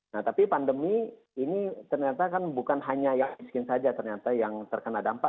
nah tapi pandemi ini ternyata kan bukan hanya yang miskin saja ternyata yang terkena dampak